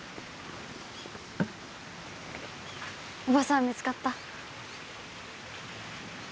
おばさん見つかった？